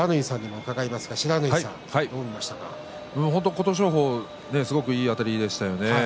琴勝峰はいいあたりでしたね。